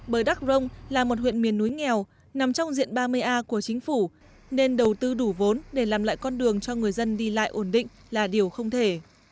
bởi đắk rông là một huyện miền núi nghèo nằm trong diện ba mươi a của chính phủ nên đầu tư đủ vốn để làm lại con đường cho người dân đi lại ổn định là điều không thể